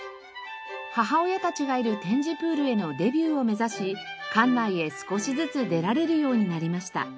母親たちがいる展示プールへのデビューを目指し館内へ少しずつ出られるようになりました。